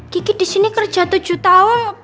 kiki disini kerja tujuh tahun